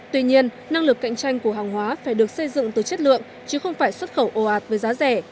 tuy nhiên năng lực cạnh tranh của hàng hóa phải được xây dựng từ chất lượng chứ không phải xuất khẩu ồ ạt với giá rẻ